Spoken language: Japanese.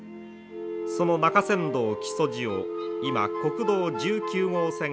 その中山道木曽路を今国道１９号線が走ります。